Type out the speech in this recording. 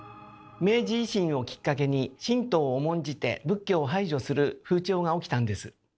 明治維新をきっかけに神道を重んじて仏教を排除する風潮が起きたんです。